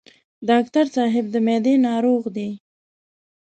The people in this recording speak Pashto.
ډاکټر صاحب د معدې ناروغ دی.